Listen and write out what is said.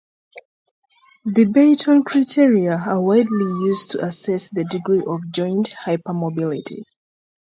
The Beighton criteria are widely used to assess the degree of joint hypermobility.